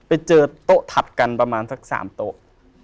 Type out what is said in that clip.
ไปเจอโต๊ะถัดกันประมาณสัก๓โต๊ะ